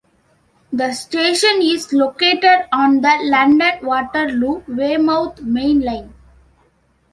The station is located on the London Waterloo-Weymouth main line.